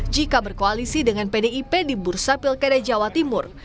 jika berkoalisi dengan pdip di bursa pilkada jawa timur